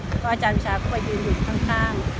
ก็อาจารย์พิชาก็ไปยืนอยู่ข้าง